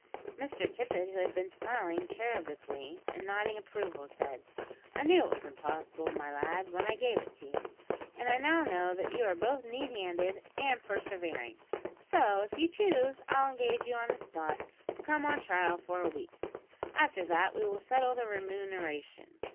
Mr Tippet, who had been smiling cherubically, and nodding approval, said: "I knew it was impossible, my lad, when I gave it to you, and I now know that you are both neat handed and persevering; so, if you choose, I'll engage you on the spot to come on trial for a week. After that we will settle the remuneration.